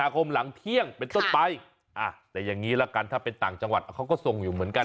คมหลังเที่ยงเป็นต้นไปแต่อย่างนี้ละกันถ้าเป็นต่างจังหวัดเขาก็ส่งอยู่เหมือนกัน